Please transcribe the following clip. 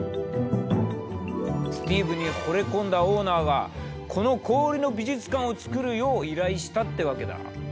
スティーブにほれ込んだオーナーがこの氷の美術館を造るよう依頼したってわけだ。